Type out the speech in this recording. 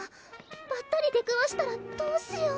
ばったり出くわしたらどうしよう？